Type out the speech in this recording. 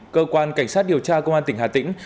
cơ quan cảnh sát điều tra công an tỉnh hà tĩnh